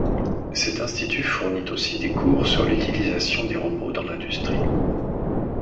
Cet institut fournit aussi des cours sur l'utilisation des robots dans l'industrie.